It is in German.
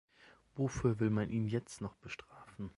Wofür will man ihn jetzt noch bestrafen?